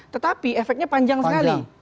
tetapi efeknya panjang sekali